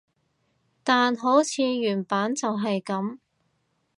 但好似原版就係噉